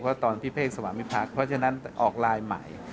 เพราะตอนพี่เพ่งสวามิพักษ์เพราะฉะนั้นออกไลน์ใหม่